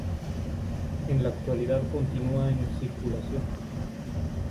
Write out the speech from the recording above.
En la actualidad continúa en circulación.